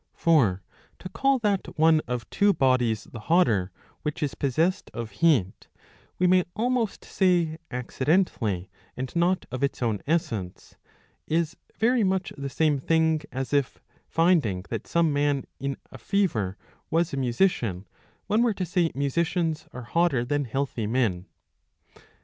For to call that one of two bodies the hotter, which is possessed of heat, we may almost say, accidentally and not of its own essence, is very much the same thing as if, finding that some man in a fever was a musician, one were to say musicians are hotter than healthy men.